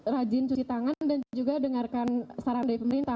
rajin cuci tangan dan juga dengarkan saran dari pemerintah